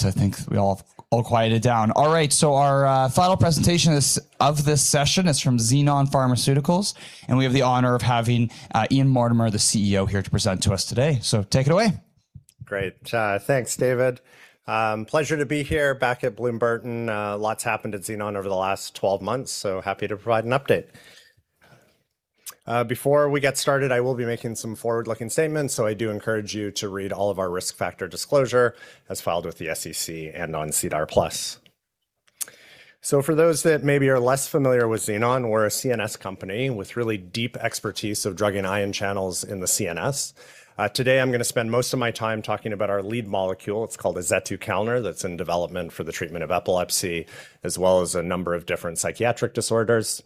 All right. I think we all quieted down. All right. Our final presentation of this session is from Xenon Pharmaceuticals, and we have the honor of having Ian Mortimer, the CEO, here to present to us today. Take it away. Great. Thanks, David. Pleasure to be here back at Bloom Burton. Lots happened at Xenon over the last 12 months, happy to provide an update. Before we get started, I will be making some forward-looking statements, so I do encourage you to read all of our risk factor disclosure as filed with the SEC and on SEDAR+. For those that maybe are less familiar with Xenon, we're a CNS company with really deep expertise of drug and ion channels in the CNS. Today, I'm going to spend most of my time talking about our lead molecule. It's called azetukalner, that's in development for the treatment of epilepsy as well as a number of different psychiatric disorders.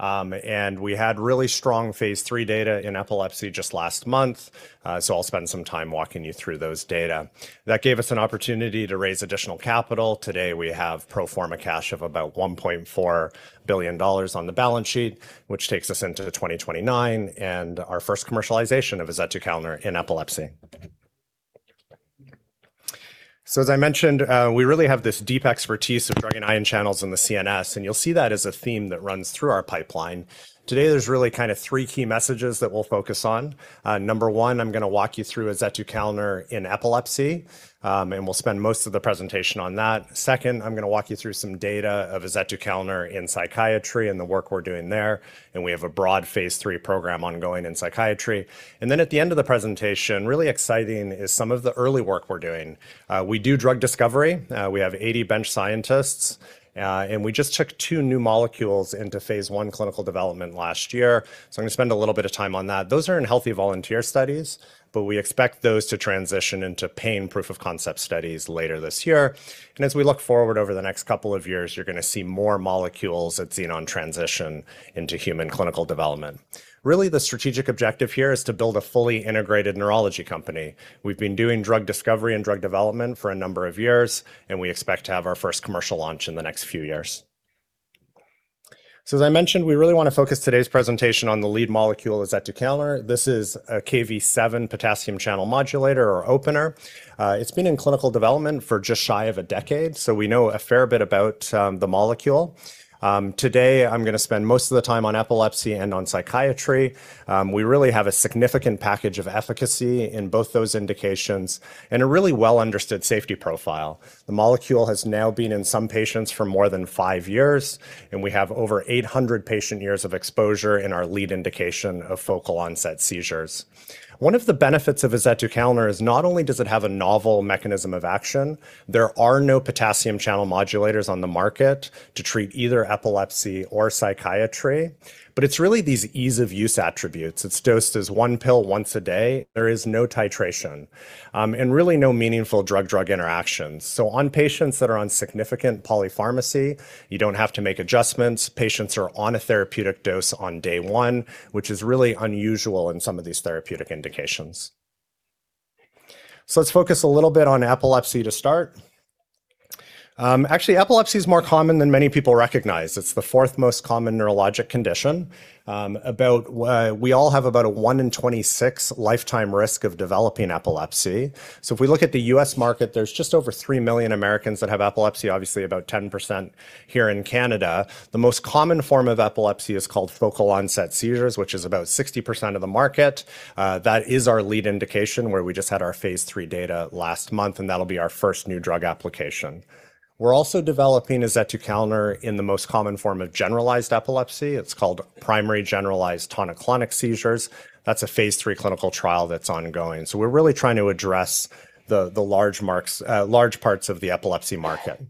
We had really strong phase III data in epilepsy just last month. I'll spend some time walking you through those data. That gave us an opportunity to raise additional capital. Today, we have pro forma cash of about $1.4 billion on the balance sheet, which takes us into 2029, and our first commercialization of azetukalner in epilepsy. As I mentioned, we really have this deep expertise of drug and ion channels in the CNS, and you'll see that as a theme that runs through our pipeline. Today, there's really three key messages that we'll focus on. Number one, I'm going to walk you through azetukalner in epilepsy, and we'll spend most of the presentation on that. Second, I'm going to walk you through some data of azetukalner in psychiatry and the work we're doing there, and we have a broad phase III program ongoing in psychiatry. At the end of the presentation, really exciting is some of the early work we're doing. We do drug discovery. We have 80 bench scientists. We just took two new molecules into phase I clinical development last year. I'm going to spend a little bit of time on that. Those are in healthy volunteer studies, but we expect those to transition into pain proof of concept studies later this year. As we look forward over the next couple of years, you're going to see more molecules at Xenon transition into human clinical development. Really, the strategic objective here is to build a fully integrated neurology company. We've been doing drug discovery and drug development for a number of years, and we expect to have our first commercial launch in the next few years. As I mentioned, we really want to focus today's presentation on the lead molecule, azetukalner. This is a Kv7 potassium channel modulator or opener. It's been in clinical development for just shy of a decade, so we know a fair bit about the molecule. Today, I'm going to spend most of the time on epilepsy and on psychiatry. We really have a significant package of efficacy in both those indications and a really well-understood safety profile. The molecule has now been in some patients for more than five years, and we have over 800 patient years of exposure in our lead indication of focal onset seizures. One of the benefits of azetukalner is not only does it have a novel mechanism of action, there are no potassium channel modulators on the market to treat either epilepsy or psychiatry, but it's really these ease of use attributes. It's dosed as one pill once a day. There is no titration, and really no meaningful drug-drug interactions. On patients that are on significant polypharmacy, you don't have to make adjustments. Patients are on a therapeutic dose on day one, which is really unusual in some of these therapeutic indications. Let's focus a little bit on epilepsy to start. Actually, epilepsy is more common than many people recognize. It's the fourth most common neurologic condition. We all have about a one in 26 lifetime risk of developing epilepsy. If we look at the U.S. market, there's just over 3 million Americans that have epilepsy, obviously about 10% here in Canada. The most common form of epilepsy is called focal onset seizures, which is about 60% of the market. That is our lead indication where we just had our phase III data last month, and that'll be our first New Drug Application. We're also developing azetukalner in the most common form of generalized epilepsy, it's called primary generalized tonic-clonic seizures. That's a phase III clinical trial that's ongoing. We're really trying to address the large parts of the epilepsy market.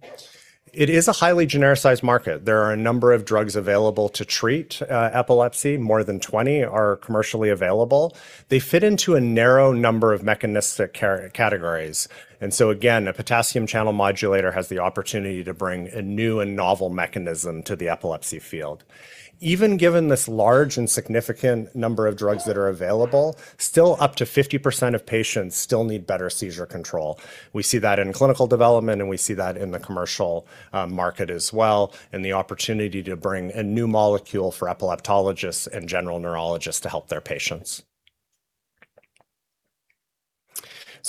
It is a highly genericized market. There are a number of drugs available to treat epilepsy. More than 20 are commercially available. They fit into a narrow number of mechanistic categories, and so again, a potassium channel modulator has the opportunity to bring a new and novel mechanism to the epilepsy field. Even given this large and significant number of drugs that are available, still up to 50% of patients still need better seizure control. We see that in clinical development, and we see that in the commercial market as well, and the opportunity to bring a new molecule for epileptologists and general neurologists to help their patients.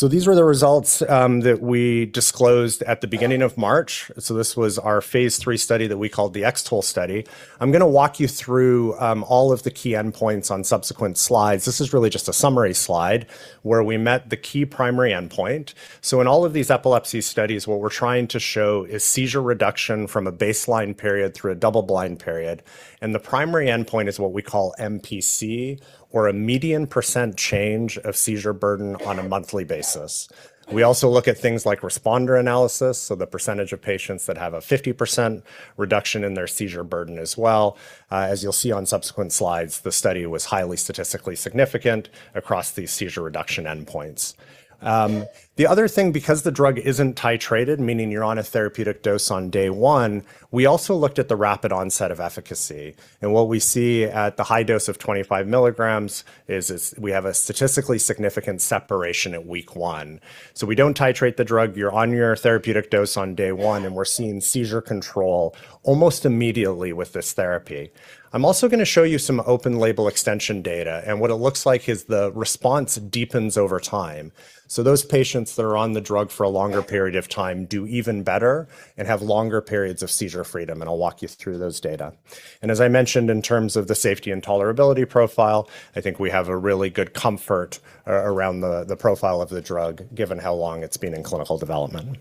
These were the results that we disclosed at the beginning of March. This was our phase III study that we called the X-TOLE2 study. I'm going to walk you through all of the key endpoints on subsequent slides. This is really just a summary slide where we met the key primary endpoint. In all of these epilepsy studies, what we're trying to show is seizure reduction from a baseline period through a double-blind period. The primary endpoint is what we call MPC or a median percent change of seizure burden on a monthly basis. We also look at things like responder analysis, so the percentage of patients that have a 50% reduction in their seizure burden as well. As you'll see on subsequent slides, the study was highly statistically significant across these seizure reduction endpoints. The other thing, because the drug isn't titrated, meaning you're on a therapeutic dose on day one, we also looked at the rapid onset of efficacy. What we see at the high dose of 25 mg is we have a statistically significant separation at week one. We don't titrate the drug. You're on your therapeutic dose on day one, and we're seeing seizure control almost immediately with this therapy. I'm also going to show you some open-label extension data, and what it looks like is the response deepens over time. Those patients that are on the drug for a longer period of time do even better and have longer periods of seizure freedom, and I'll walk you through those data. As I mentioned, in terms of the safety and tolerability profile, I think we have a really good comfort around the profile of the drug, given how long it's been in clinical development.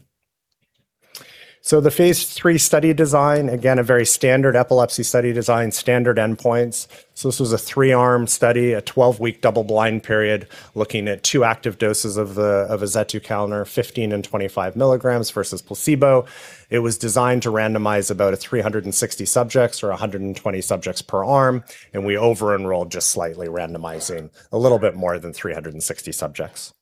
The phase III study design, again, a very standard epilepsy study design, standard endpoints. This was a three-arm study, a 12-week double-blind period looking at two active doses of azetukalner, 15 mg and 25 mg versus placebo. It was designed to randomize about 360 subjects or 120 subjects per arm, and we over-enrolled just slightly, randomizing a little bit more than 360 subjects.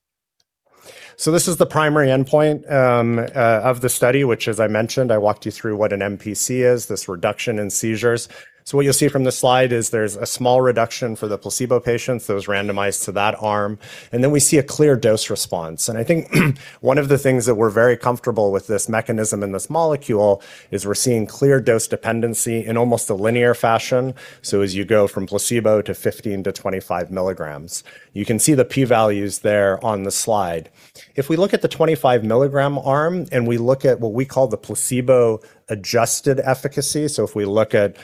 This is the primary endpoint of the study, which as I mentioned, I walked you through what an MPC is, this reduction in seizures. What you'll see from this slide is there's a small reduction for the placebo patients, those randomized to that arm, and then we see a clear dose response. I think one of the things that we're very comfortable with this mechanism and this molecule is we're seeing clear dose dependency in almost a linear fashion, so as you go from placebo to 15 mg-25 mg. You can see the p-values there on the slide. If we look at the 25-mg arm and we look at what we call the placebo-adjusted efficacy, so if we look at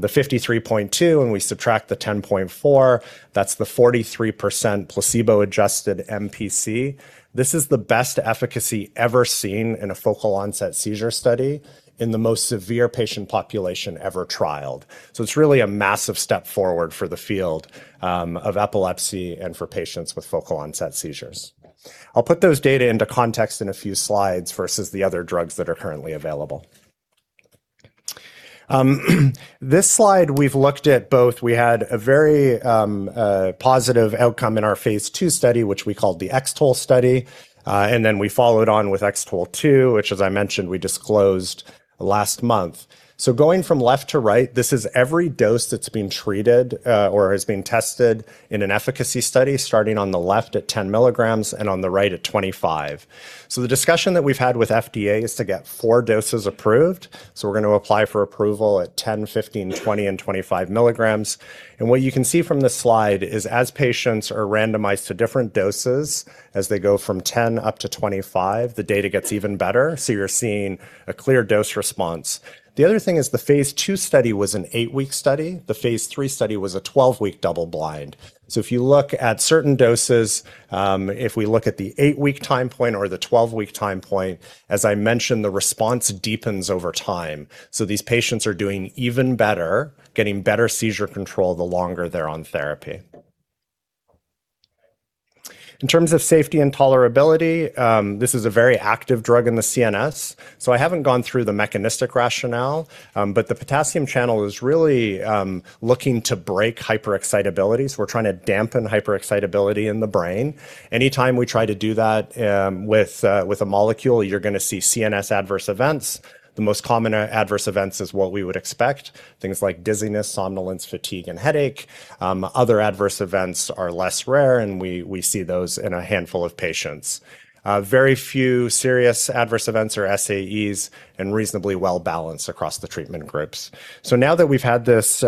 the 53.2% and we subtract the 10.4%, that's the 43% placebo-adjusted MPC. This is the best efficacy ever seen in a focal onset seizure study in the most severe patient population ever trialed. It's really a massive step forward for the field of epilepsy and for patients with focal onset seizures. I'll put those data into context in a few slides versus the other drugs that are currently available. This slide we've looked at both. We had a very positive outcome in our phase II study, which we called the X-TOLE study, and then we followed on with X-TOLE2, which as I mentioned, we disclosed last month. Going from left to right, this is every dose that's been treated or has been tested in an efficacy study, starting on the left at 10 mg and on the right at 25 mg. The discussion that we've had with FDA is to get four doses approved, so we're going to apply for approval at 10 mg, 15 mg, 20 mg, and 25 mg. What you can see from this slide is as patients are randomized to different doses, as they go from 10 mg up to 25 mg, the data gets even better, so you're seeing a clear dose response. The other thing is the phase II study was an eight-week study. The phase III study was a 12-week double blind. If you look at certain doses, if we look at the eight-week time point or the 12-week time point, as I mentioned, the response deepens over time. These patients are doing even better, getting better seizure control the longer they're on therapy. In terms of safety and tolerability, this is a very active drug in the CNS, so I haven't gone through the mechanistic rationale, but the potassium channel is really looking to break hyperexcitability. We're trying to dampen hyperexcitability in the brain. Anytime we try to do that with a molecule, you're going to see CNS adverse events. The most common adverse events is what we would expect, things like dizziness, somnolence, fatigue, and headache. Other adverse events are less rare, and we see those in a handful of patients. Very few serious adverse events or SAEs and reasonably well balanced across the treatment groups. Now that we've had this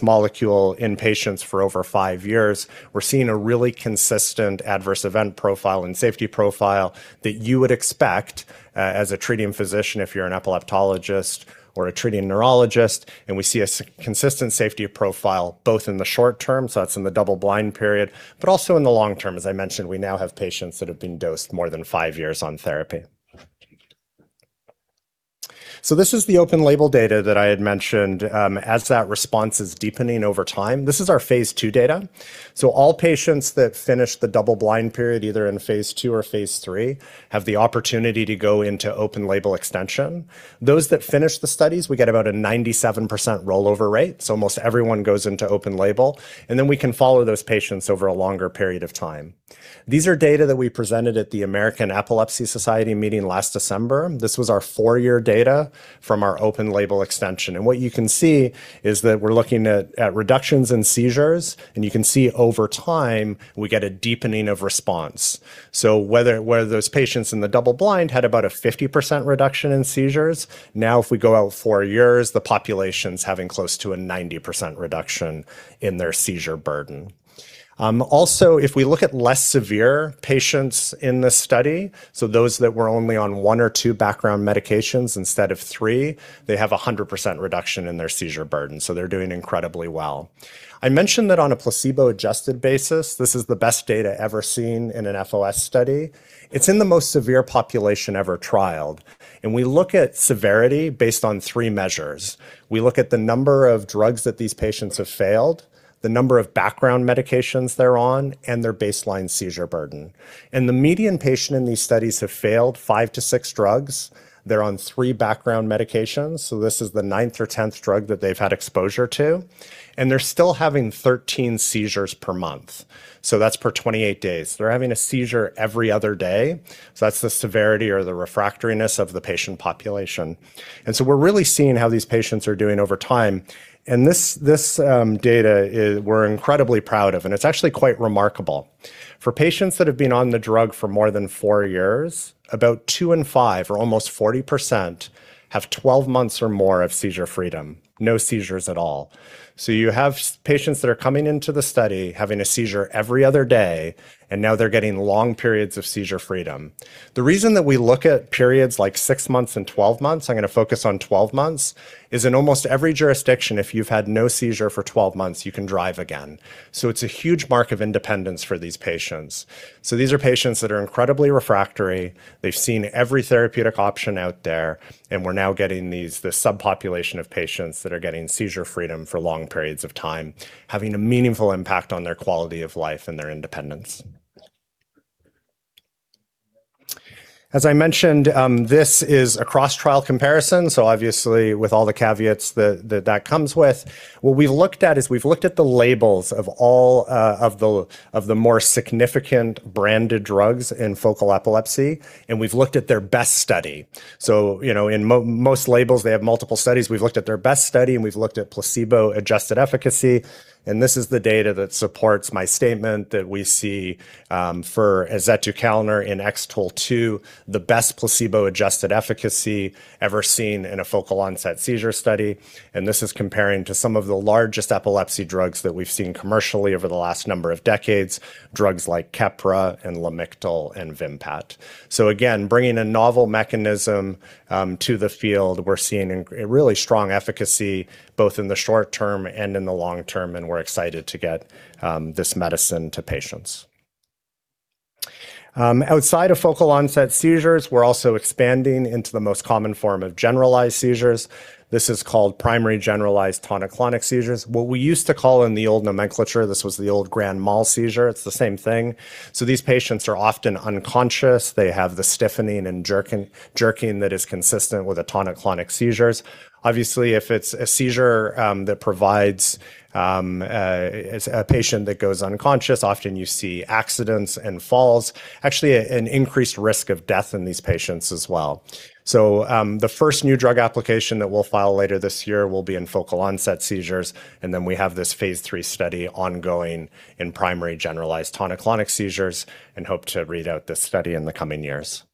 molecule in patients for over five years, we're seeing a really consistent adverse event profile and safety profile that you would expect as a treating physician if you're an epileptologist or a treating neurologist, and we see a consistent safety profile both in the short term, so that's in the double-blind period, but also in the long term. As I mentioned, we now have patients that have been dosed more than five years on therapy. This is the open-label data that I had mentioned. As that response is deepening over time, this is our phase II data. All patients that finish the double-blind period, either in phase II or phase III, have the opportunity to go into open-label extension. Those that finish the studies, we get about a 97% rollover rate, so almost everyone goes into open label, and then we can follow those patients over a longer period of time. These are data that we presented at the American Epilepsy Society meeting last December. This was our four-year data from our open-label extension. What you can see is that we're looking at reductions in seizures, and you can see over time, we get a deepening of response. Where those patients in the double-blind had about a 50% reduction in seizures, now if we go out four years, the population's having close to a 90% reduction in their seizure burden. Also, if we look at less severe patients in this study, so those that were only on one or two background medications instead of three, they have 100% reduction in their seizure burden, so they're doing incredibly well. I mentioned that on a placebo-adjusted basis, this is the best data ever seen in an FOS study. It's in the most severe population ever trialed. We look at severity based on three measures. We look at the number of drugs that these patients have failed, the number of background medications they're on, and their baseline seizure burden. The median patient in these studies have failed five to six drugs. They're on three background medications, so this is the ninth or tenth drug that they've had exposure to. They're still having 13 seizures per month, so that's per 28 days. They're having a seizure every other day, so that's the severity or the refractoriness of the patient population. We're really seeing how these patients are doing over time. This data we're incredibly proud of, and it's actually quite remarkable. For patients that have been on the drug for more than four years, about two in five, or almost 40%, have 12 months or more of seizure freedom, no seizures at all. You have patients that are coming into the study having a seizure every other day, and now they're getting long periods of seizure freedom. The reason that we look at periods like six months and 12 months, I'm going to focus on 12 months, is in almost every jurisdiction if you've had no seizure for 12 months, you can drive again. It's a huge mark of independence for these patients. These are patients that are incredibly refractory. They've seen every therapeutic option out there, and we're now getting this subpopulation of patients that are getting seizure freedom for long periods of time, having a meaningful impact on their quality of life and their independence. As I mentioned, this is a cross-trial comparison, so obviously with all the caveats that comes with. What we've looked at is the labels of all of the more significant branded drugs in focal epilepsy, and we've looked at their best study. In most labels, they have multiple studies. We've looked at their best study, and we've looked at placebo-adjusted efficacy, and this is the data that supports my statement that we see for azetukalner in X-TOLE2, the best placebo-adjusted efficacy ever seen in a focal onset seizure study. This is comparing to some of the largest epilepsy drugs that we've seen commercially over the last number of decades, drugs like Keppra and Lamictal and Vimpat. Again, bringing a novel mechanism to the field, we're seeing a really strong efficacy both in the short term and in the long term, and we're excited to get this medicine to patients. Outside of focal onset seizures, we're also expanding into the most common form of generalized seizures. This is called primary generalized tonic-clonic seizures. What we used to call in the old nomenclature, this was the old grand mal seizure. It's the same thing. These patients are often unconscious. They have the stiffening and jerking that is consistent with the tonic-clonic seizures. Obviously, if it's a seizure that provides a patient that goes unconscious, often you see accidents and falls, actually an increased risk of death in these patients as well. The first New Drug Application that we'll file later this year will be in focal onset seizures, and then we have this phase III study ongoing in primary generalized tonic-clonic seizures and hope to read out this study in the coming years.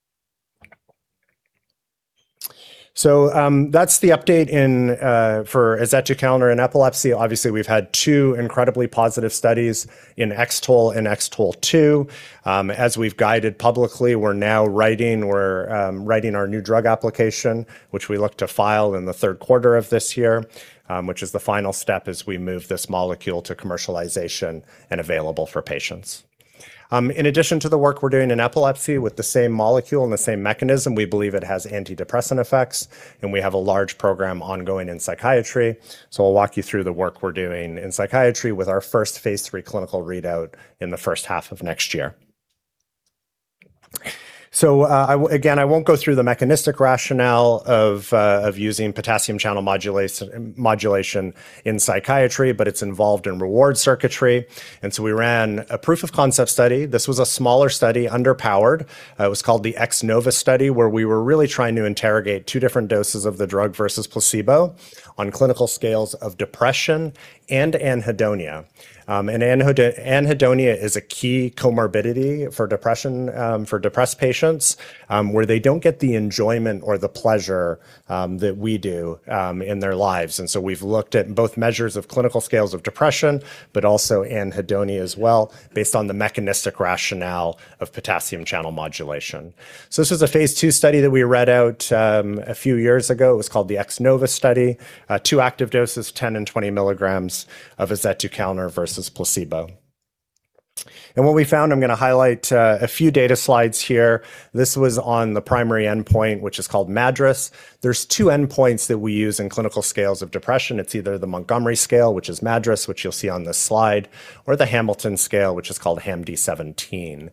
That's the update for azetukalner in epilepsy. Obviously, we've had two incredibly positive studies in X-TOLE and X-TOLE2. As we've guided publicly, we're now writing our New Drug Application, which we look to file in the third quarter of this year, which is the final step as we move this molecule to commercialization and available for patients. In addition to the work we're doing in epilepsy with the same molecule and the same mechanism, we believe it has antidepressant effects, and we have a large program ongoing in psychiatry. I'll walk you through the work we're doing in psychiatry with our first phase III clinical readout in the first half of next year. Again, I won't go through the mechanistic rationale of using potassium channel modulation in psychiatry, but it's involved in reward circuitry. We ran a proof of concept study. This was a smaller study, underpowered. It was called the X-NOVA study, where we were really trying to interrogate two different doses of the drug versus placebo on clinical scales of depression and anhedonia. Anhedonia is a key comorbidity for depressed patients, where they don't get the enjoyment or the pleasure that we do in their lives. We've looked at both measures of clinical scales of depression, but also anhedonia as well, based on the mechanistic rationale of potassium channel modulation. This was a phase II study that we read out a few years ago. It was called the X-NOVA study. Two active doses, 10 mg and 20 mg of azetukalner versus placebo. What we found, I'm going to highlight a few data slides here. This was on the primary endpoint, which is called MADRS. There's two endpoints that we use in clinical scales of depression. It's either the Montgomery scale, which is MADRS, which you'll see on this slide, or the Hamilton scale, which is called HAMD17.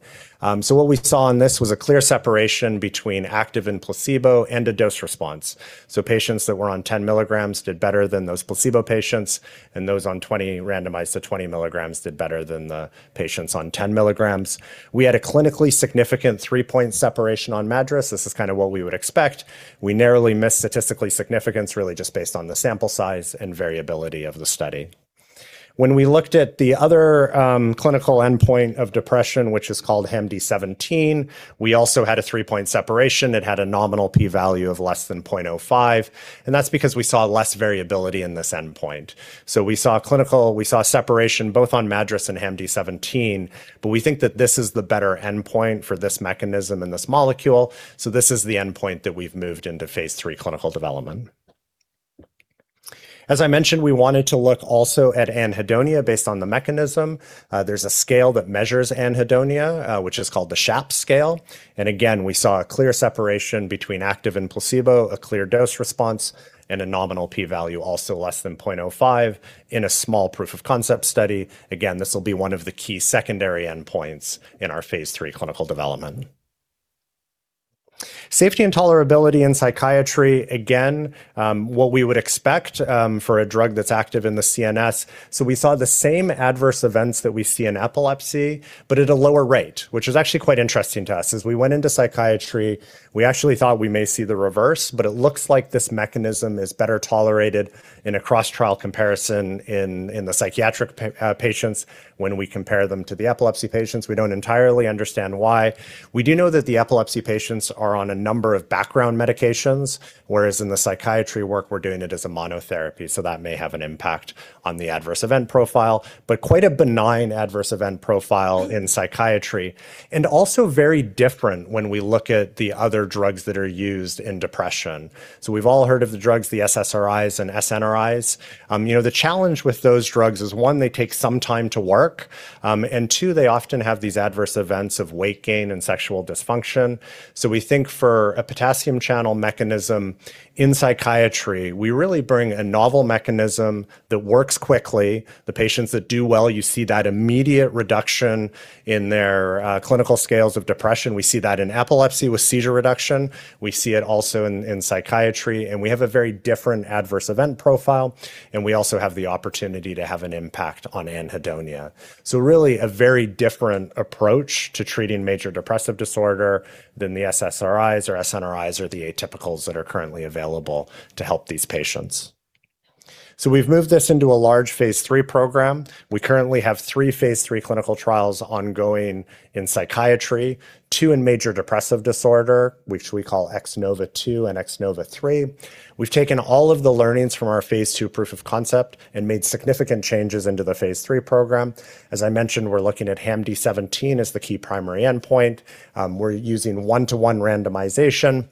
What we saw in this was a clear separation between active and placebo and a dose response. Patients that were on 10 mg did better than those placebo patients, and those randomized to 20 mg did better than the patients on 10 mg. We had a clinically significant three-point separation on MADRS. This is what we would expect. We narrowly missed statistical significance, really just based on the sample size and variability of the study. When we looked at the other clinical endpoint of depression, which is called HAMD17, we also had a three-point separation that had a nominal p-value of less than 0.05, and that's because we saw less variability in this endpoint. We saw clinical, we saw separation both on MADRS and HAMD17, but we think that this is the better endpoint for this mechanism and this molecule. This is the endpoint that we've moved into phase III clinical development. As I mentioned, we wanted to look also at anhedonia based on the mechanism. There's a scale that measures anhedonia, which is called the SHAPS scale. Again, we saw a clear separation between active and placebo, a clear dose response, and a nominal p-value also less than 0.05 in a small proof of concept study. Again, this will be one of the key secondary endpoints in our phase III clinical development. Safety and tolerability in psychiatry, again, what we would expect for a drug that's active in the CNS. We saw the same adverse events that we see in epilepsy, but at a lower rate, which is actually quite interesting to us. As we went into psychiatry, we actually thought we may see the reverse, but it looks like this mechanism is better tolerated in a cross-trial comparison in the psychiatric patients when we compare them to the epilepsy patients. We don't entirely understand why. We do know that the epilepsy patients are on a number of background medications, whereas in the psychiatry work, we're doing it as a monotherapy, so that may have an impact on the adverse event profile. Quite a benign adverse event profile in psychiatry, and also very different when we look at the other drugs that are used in depression. We've all heard of the drugs, the SSRIs and SNRIs. The challenge with those drugs is, one, they take some time to work, and two, they often have these adverse events of weight gain and sexual dysfunction. We think for a potassium channel mechanism in psychiatry, we really bring a novel mechanism that works quickly. The patients that do well, you see that immediate reduction in their clinical scales of depression. We see that in epilepsy with seizure reduction. We see it also in psychiatry, and we have a very different adverse event profile, and we also have the opportunity to have an impact on anhedonia. Really a very different approach to treating major depressive disorder than the SSRIs or SNRIs or the atypicals that are currently available to help these patients. We've moved this into a large phase III program. We currently have three phase III clinical trials ongoing in psychiatry, two in major depressive disorder, which we call X-NOVA2 and X-NOVA3. We've taken all of the learnings from our phase II proof of concept and made significant changes into the phase III program. As I mentioned, we're looking at HAMD17 as the key primary endpoint. We're using one-to-one randomization,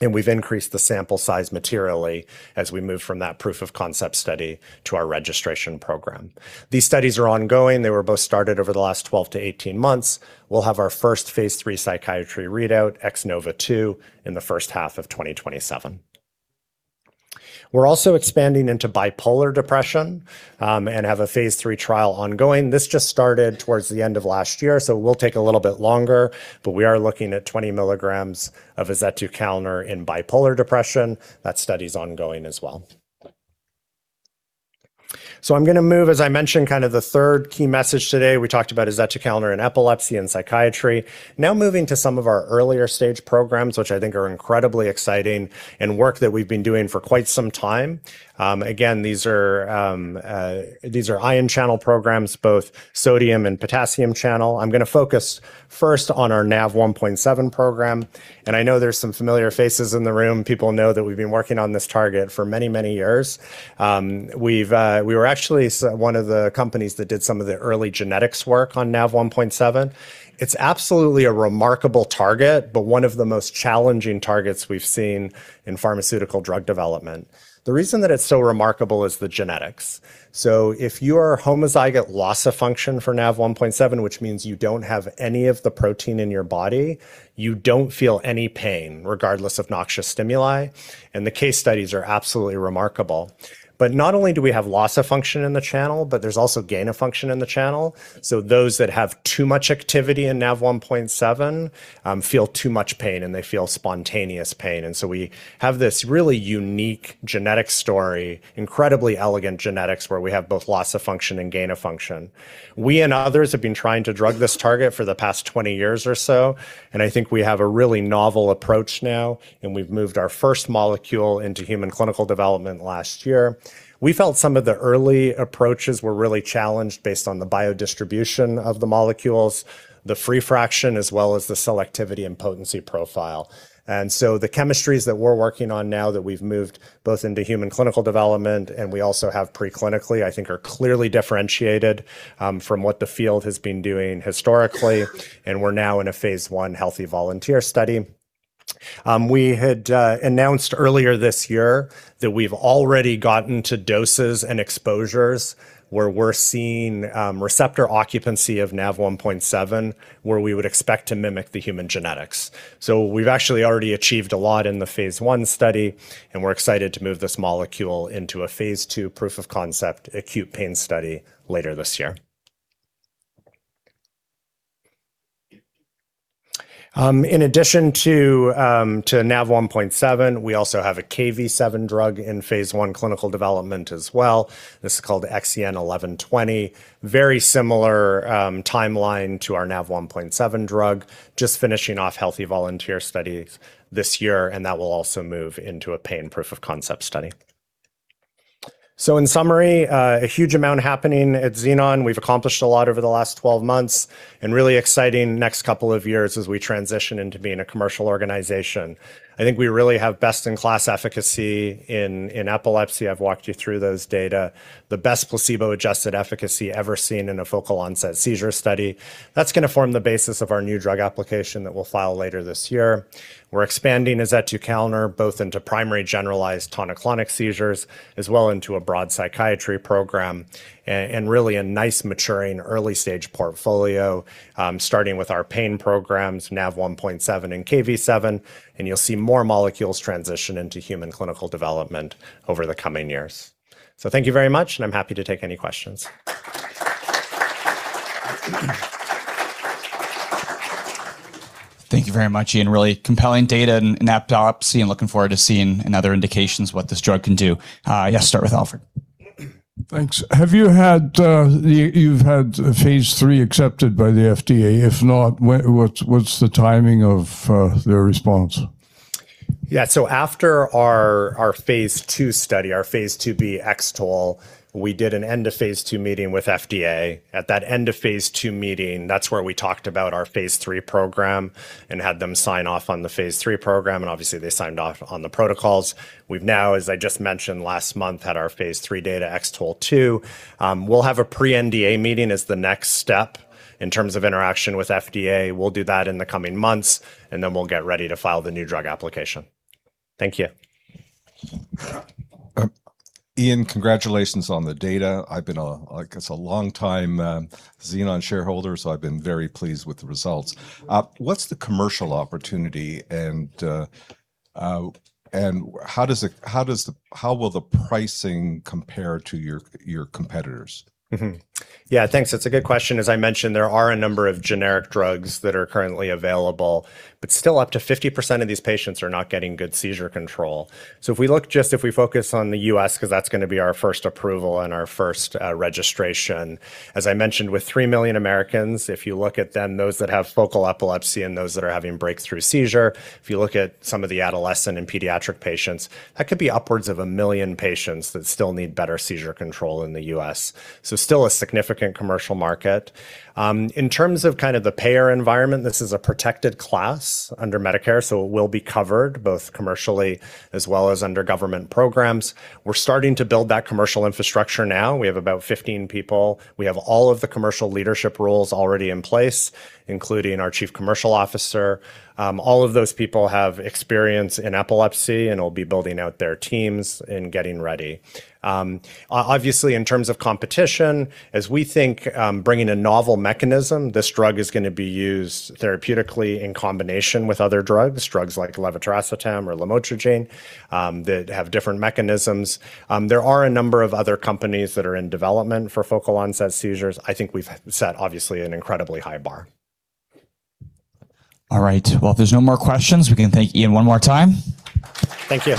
and we've increased the sample size materially as we move from that proof of concept study to our registration program. These studies are ongoing. They were both started over the last 12-18 months. We'll have our first phase III psychiatry readout, X-NOVA2, in the first half of 2027. We're also expanding into bipolar depression, and have a phase III trial ongoing. This just started towards the end of last year, so will take a little bit longer. We are looking at 20 mg of azetukalner in bipolar depression. That study's ongoing as well. I'm going to move to, as I mentioned, the third key message today. We talked about azetukalner in epilepsy and psychiatry. Now moving to some of our earlier stage programs, which I think are incredibly exciting and work that we've been doing for quite some time. Again, these are ion channel programs, both sodium and potassium channel. I'm going to focus first on our Nav1.7 program. I know there's some familiar faces in the room. People know that we've been working on this target for many, many years. We were actually one of the companies that did some of the early genetics work on Nav1.7. It's absolutely a remarkable target, but one of the most challenging targets we've seen in pharmaceutical drug development. The reason that it's so remarkable is the genetics. If you are homozygous loss of function for Nav1.7, which means you don't have any of the protein in your body, you don't feel any pain, regardless of noxious stimuli, and the case studies are absolutely remarkable. Not only do we have loss of function in the channel, but there's also gain of function in the channel. Those that have too much activity in Nav1.7 feel too much pain, and they feel spontaneous pain. We have this really unique genetic story, incredibly elegant genetics, where we have both loss of function and gain of function. We and others have been trying to drug this target for the past 20 years or so, and I think we have a really novel approach now, and we've moved our first molecule into human clinical development last year. We felt some of the early approaches were really challenged based on the biodistribution of the molecules, the free fraction, as well as the selectivity and potency profile. The chemistries that we're working on now that we've moved both into human clinical development and we also have pre-clinically, I think are clearly differentiated from what the field has been doing historically, and we're now in a phase I healthy volunteer study. We had announced earlier this year that we've already gotten to doses and exposures where we're seeing receptor occupancy of Nav1.7 where we would expect to mimic the human genetics. We've actually already achieved a lot in the phase I study, and we're excited to move this molecule into a phase II proof of concept acute pain study later this year. In addition to Nav1.7, we also have a Kv7 drug in phase I clinical development as well. This is called XEN1120. Very similar timeline to our Nav1.7 drug, just finishing off healthy volunteer studies this year, and that will also move into a pain proof-of-concept study. In summary, a huge amount happening at Xenon. We've accomplished a lot over the last 12 months and really exciting next couple of years as we transition into being a commercial organization. I think we really have best-in-class efficacy in epilepsy. I've walked you through those data. The best placebo-adjusted efficacy ever seen in a focal onset seizure study. That's going to form the basis of our New Drug Application that we'll file later this year. We're expanding azetukalner both into primary generalized tonic-clonic seizures, as well as into a broad psychiatry program. Really a nice maturing early-stage portfolio, starting with our pain programs, Nav1.7 and Kv7, and you'll see more molecules transition into human clinical development over the coming years. Thank you very much, and I'm happy to take any questions. Thank you very much, Ian. Really compelling data in epilepsy, and looking forward to seeing in other indications what this drug can do. Let's start with Alfred. Thanks. You've had phase III accepted by the FDA? If not, what's the timing of their response? Yeah. After our phase II study, our phase II-B X-TOLE, we did an end-of-phase II meeting with FDA. At that end-of-phase II meeting, that's where we talked about our phase III program and had them sign off on the phase III program, and obviously they signed off on the protocols. We've now, as I just mentioned, last month, had our phase III data, X-TOLE2. We'll have a pre-NDA meeting as the next step in terms of interaction with FDA. We'll do that in the coming months, and then we'll get ready to file the New Drug Application. Thank you. Ian, congratulations on the data. I've been, I guess, a long time Xenon shareholder, so I've been very pleased with the results. What's the commercial opportunity, and how will the pricing compare to your competitors? Yeah, thanks. That's a good question. As I mentioned, there are a number of generic drugs that are currently available, but still up to 50% of these patients are not getting good seizure control. If we look, just if we focus on the U.S., because that's going to be our first approval and our first registration. As I mentioned, with 3 million Americans, if you look at then those that have focal epilepsy and those that are having breakthrough seizure, if you look at some of the adolescent and pediatric patients, that could be upwards of 1 million patients that still need better seizure control in the U.S. Still a significant commercial market. In terms of the payer environment, this is a protected class under Medicare, so it will be covered both commercially as well as under government programs. We're starting to build that commercial infrastructure now. We have about 15 people. We have all of the commercial leadership roles already in place, including our Chief Commercial Officer. All of those people have experience in epilepsy and will be building out their teams and getting ready. Obviously, in terms of competition, as we think bringing a novel mechanism, this drug is going to be used therapeutically in combination with other drugs like levetiracetam or lamotrigine, that have different mechanisms. There are a number of other companies that are in development for focal onset seizures. I think we've set, obviously, an incredibly high bar. All right. Well, if there's no more questions, we can thank Ian one more time. Thank you.